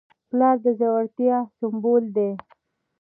پلار د زړورتیا سمبول دی.